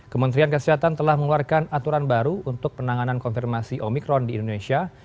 kementerian kesehatan telah mengeluarkan aturan baru untuk penanganan konfirmasi omikron di indonesia